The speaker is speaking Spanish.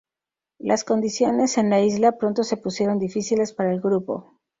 Las condiciones en la isla pronto se pusieron difíciles para el grupo.